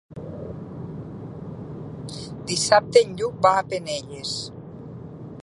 Dissabte en Lluc va a Penelles.